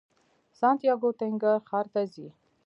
سانتیاګو تنګیر ښار ته ځي.